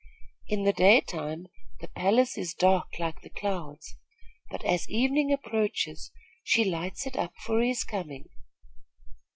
In the day time the palace is dark like the clouds; but, as evening approaches, she lights it up for his coming.